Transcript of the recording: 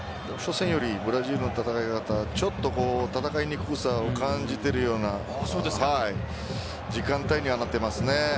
初戦よりもブラジルは戦いにくさを感じているような時間帯にはなっていますね。